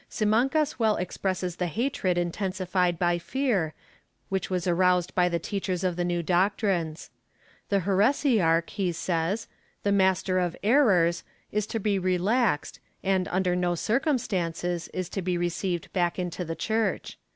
Simancas well expresses the hatred intensified by fear, which was aroused by the teachers of the new doctrines. The heresiarch, he says, the master of errors, is to be relaxed and, under no circumstances, is to be received back into the Church.